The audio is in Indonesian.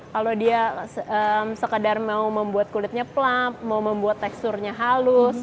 kalau dia sekedar mau membuat kulitnya plap mau membuat teksturnya halus